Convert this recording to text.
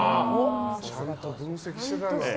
ちゃんと分析していたんだな。